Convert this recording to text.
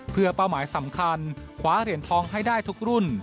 เพื่อเป้าหมายสำคัญคว้าเหรียญทองให้ได้ทุกรุ่น